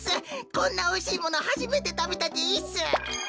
こんなおいしいものはじめてたべたです！